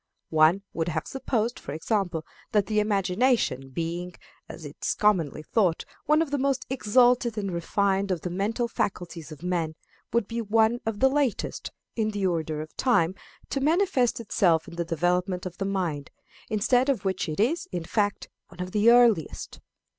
One would have supposed, for example, that the imagination being, as is commonly thought, one of the most exalted and refined of the mental faculties of man would be one of the latest, in the order of time, to manifest itself in the development of the mind; instead of which it is, in fact, one of the earliest.